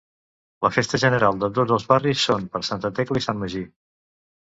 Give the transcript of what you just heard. La festa general de tots els barris són per Santa Tecla i Sant Magí.